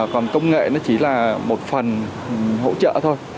còn công nghệ nó chỉ là một phần hỗ trợ thôi